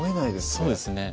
そうですね